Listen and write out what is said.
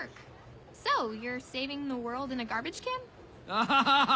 アハハハ！